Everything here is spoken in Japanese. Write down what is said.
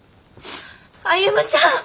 歩ちゃん！